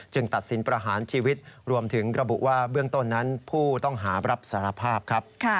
ตัดสินประหารชีวิตรวมถึงระบุว่าเบื้องต้นนั้นผู้ต้องหารับสารภาพครับ